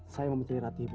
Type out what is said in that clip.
saya memetir ratih bu